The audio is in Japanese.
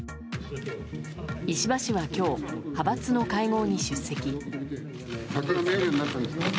石破氏は今日派閥の会合に出席。